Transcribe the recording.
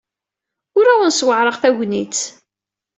Ur awent-ssewɛaṛeɣ tagnit.